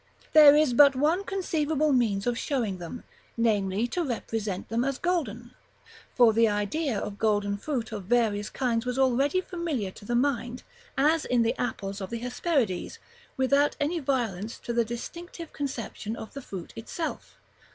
There is but one conceivable means of showing them, namely to represent them as golden. For the idea of golden fruit of various kinds was already familiar to the mind, as in the apples of the Hesperides, without any violence to the distinctive conception of the fruit itself.